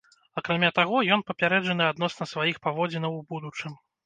Акрамя таго, ён папярэджаны адносна сваіх паводзінаў у будучым.